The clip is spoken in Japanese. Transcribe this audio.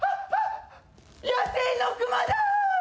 野生の熊だ。